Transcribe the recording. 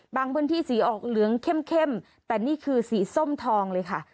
พื้นที่สีออกเหลืองเข้มแต่นี่คือสีส้มทองเลยค่ะ